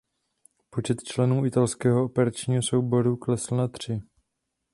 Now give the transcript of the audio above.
Počet členů italského operního souboru klesl na tři.